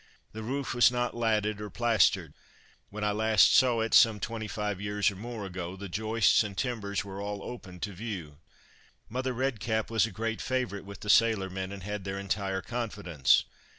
The roof was not latted or plastered. When I last saw it, some twenty five years or more ago, the joists and timbers were all open to view. Mother Redcap was a great favourite with the sailor men and had their entire confidence.